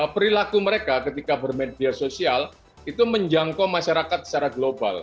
perilaku mereka ketika bermedia sosial itu menjangkau masyarakat secara global